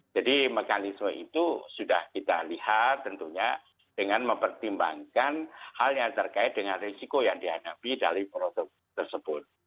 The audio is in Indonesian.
jadi mekanisme itu sudah kita lihat tentunya dengan mempertimbangkan hal yang terkait dengan risiko yang dihadapi dari produk tersebut